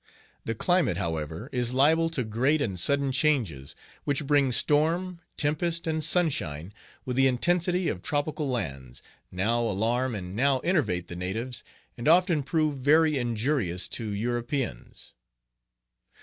The climate, however, is liable to great and sudden changes, which, bringing storm, tempest, and sunshine, with the intensity of tropical lands, now alarm and now enervate the natives, and often prove very injurious to Europeans.